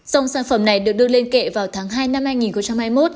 dòng sản phẩm này được đưa lên kệ vào tháng hai năm hai nghìn hai mươi một